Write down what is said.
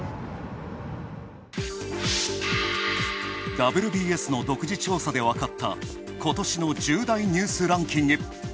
「ＷＢＳ」の独自調査で分かったことしの重大ニュースランキング。